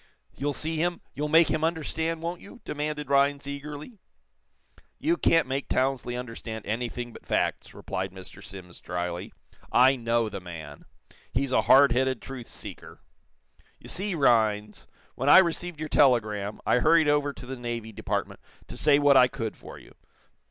"You'll see him you'll make him understand, won't you?" demanded Rhinds, eagerly. "You can't make Townsley understand anything but facts," replied Mr. Simms, dryly. "I know the man. He's a hard headed truth seeker. You see, Rhinds, when I received your telegram, I hurried over to the Navy Department to say what I could for you.